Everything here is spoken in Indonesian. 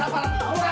aduh aduh aduh aduh